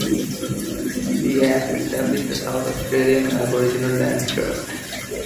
The Act established the South Australian Aboriginal Lands Trust.